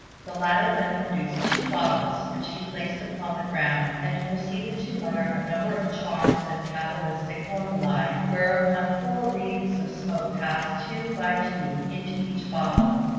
The latter then produced two bottles which he placed upon the ground, and proceeded to mutter a number of charms and cabalistic formulæ; whereupon four wreaths of smoke passed two by two into each bottle.